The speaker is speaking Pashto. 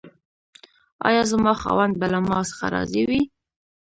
ایا زما خاوند به له ما څخه راضي وي؟